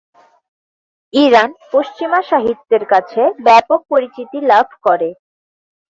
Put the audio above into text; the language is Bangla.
ইরান পশ্চিমা সাহিত্যের কাছে ব্যাপক পরিচিতি লাভ করে।